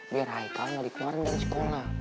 biar haikal gak dikeluarin dari sekolah